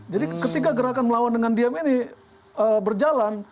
jadi ketika gerakan melawan dengan diam ini berjalan